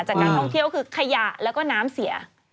จากการท่องเที่ยวคือขยะแล้วก็น้ำเสีย